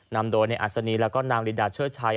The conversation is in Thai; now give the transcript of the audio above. นำโดยในอัศนีแล้วก็นางลีดาเชิดชัย